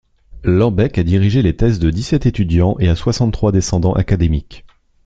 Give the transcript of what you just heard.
Lambek a dirigé les thèses de dix-sept étudiants et a soixante-trois descendants académiques.